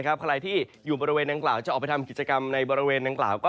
ใครที่อยู่บริเวณต่างก่อนจะออกไปทำกิจกรรมในการอยู่บริษฐาต่างก่อน